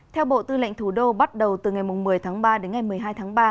theo bộ tư lệnh thủ đô bắt đầu từ ngày một mươi tháng ba đến ngày một mươi hai tháng ba